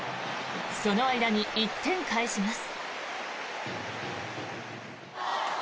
その間に１点返します。